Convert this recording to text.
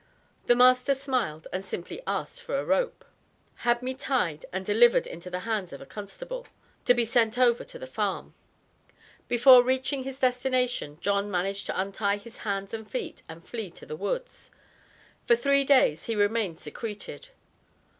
The master smiled, and simply asked for a rope; "had me tied and delivered into the hands of a constable," to be sent over to the farm. Before reaching his destination, John managed to untie his hands and feet and flee to the woods. For three days he remained secreted.